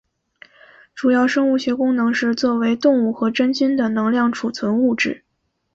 主要生物学功能是作为动物和真菌的能量储存物质。